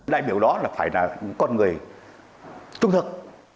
đại biểu đó là phải là con người trung thực